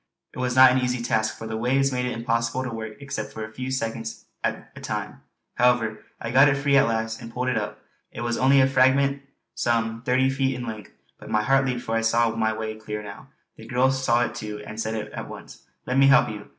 It was not an easy task, for the waves made it impossible to work except for a few seconds at a time; however, I got it free at last and pulled it up. It was only a fragment some thirty feet in length; but my heart leaped for I saw my way clear now. The girl saw it too and said at once: "Let me help you."